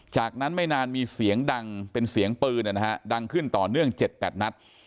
จากนั้นไม่นานมีเสียงดังเป็นเสียงปืนดังขึ้นต่อเนื่อง๗๘นัด